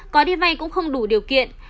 có đi vay cũng không đủ điều kiện